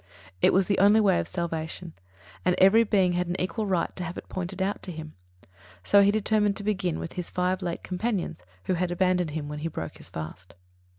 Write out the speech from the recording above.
It was the only way of salvation, and every being had an equal right to have it pointed out to him. So he determined to begin with his five late companions, who had abandoned him when he broke his fast.